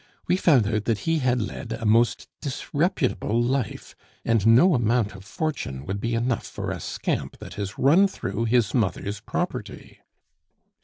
We found out that he had led a most disreputable life, and no amount of fortune would be enough for a scamp that has run through his mother's property."